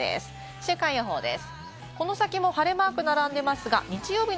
週間予報です。